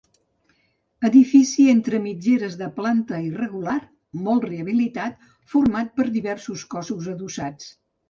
Edifici entre mitgeres de planta irregular molt rehabilitat, format per diversos cossos adossats.